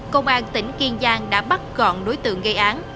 công an tỉnh kiên giang đã bắt gọn đối tượng gây án